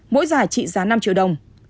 mỗi giải trị giá năm triệu đồng